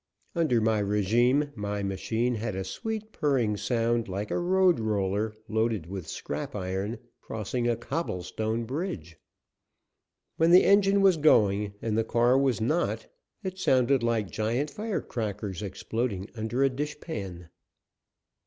Under my regime my machine had a sweet, purring sound like a road roller loaded with scrap iron crossing a cobblestone bridge. When the engine was going and the car was not, it sounded like giant fire crackers exploding under a dish pan.